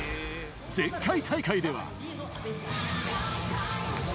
前回大会では。